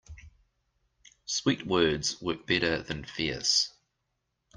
Sweet words work better than fierce.